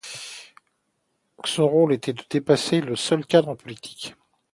Son rôle était de dépasser le seul cadre politique.